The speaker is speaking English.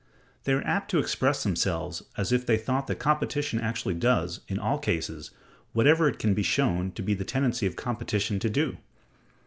They are apt to express themselves as if they thought that competition actually does, in all cases, whatever it can be shown to be the tendency of competition to do.